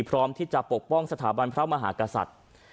พร้อมที่จะปกป้องสถาบันพระมหากษัตริย์